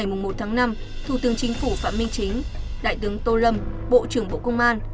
cũng trong ngày một năm thủ tướng chính phủ phạm minh chính đại tướng tô lâm bộ trưởng bộ công an